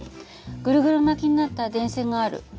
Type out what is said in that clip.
ぐるぐる巻きになった電線がある。